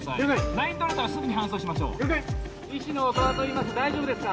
ライン取れたらすぐに搬送しましょう医師の音羽といいます大丈夫ですか？